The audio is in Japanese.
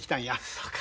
そうか。